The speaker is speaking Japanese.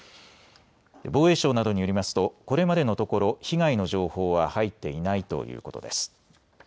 防衛省などによりますとこれまでのところ被害の情報は入っていないということです。